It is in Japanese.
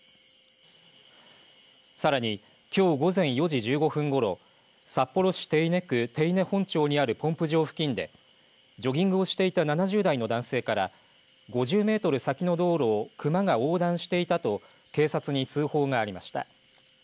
さらにきょう午前４時１５分ごろ札幌市手稲区手稲本町にあるポンプ場付近でジョギングをしていた７０代の男性から５０メートル先の道路を熊が横断していたと警察に通報がありました。